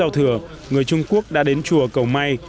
trong khi đó người trung quốc đã đến chùa cầu may